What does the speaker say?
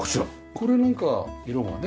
これなんか色がね。